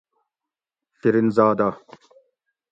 شیرین زادہ